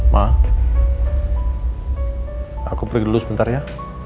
ma aku pergi dulu sebentar ya